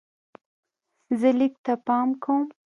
زه لیک ته پام کوم.